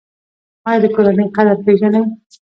ایا د کورنۍ قدر پیژنئ؟